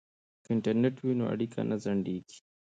که انټرنیټ وي نو اړیکه نه ځنډیږي.